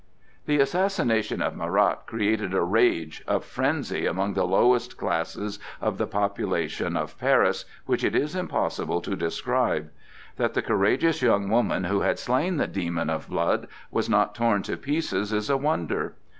The assassination of Marat created a rage, a frenzy among the lowest classes of the population of Paris which it is impossible to describe. That the courageous young woman who had slain the demon of blood was not torn to pieces is a wonder.